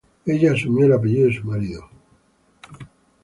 Ella asumió el apellido de su marido.